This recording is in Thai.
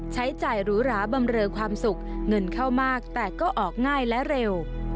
ใช้จ่ายหรูหราบำเรอความสุขเงินเข้ามากแต่ก็ออกง่ายและเร็ว